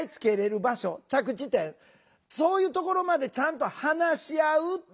そういうところまでちゃんと話し合うっていう。